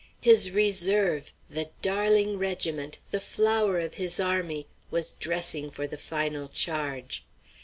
His reserve, the darling regiment, the flower of his army, was dressing for the final charge.